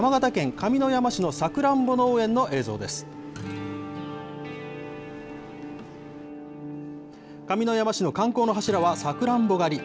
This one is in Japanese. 上山市の観光の柱はサクランボ狩り。